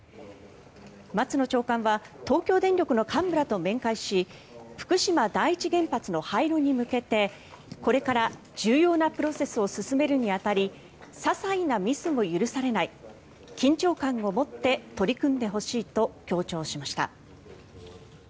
松野長官は東京電力の幹部らと面会し福島第一原発の廃炉に向けてこれから重要なプロセスを進めるに当たりささいなミスも許されない緊張感を持って取り組んでほしいと強調しました。